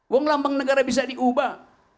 wong lambang negara bisa diubah